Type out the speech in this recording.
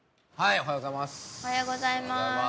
おはようございます！